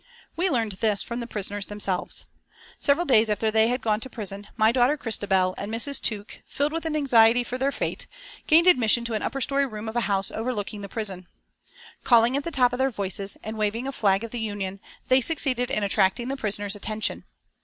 We learned this from the prisoners themselves. Several days after they had gone to prison, my daughter Christabel and Mrs. Tuke, filled with anxiety for their fate, gained admission to an upper story room of a house overlooking the prison. Calling at the top of their voices and waving a flag of the Union, they succeeded in attracting the prisoners' attention.